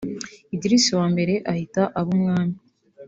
Idris wa mbere ahita aba umwami